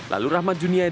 lalu rahmat juniadi